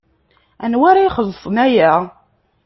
Anwa ara ixellṣen aya?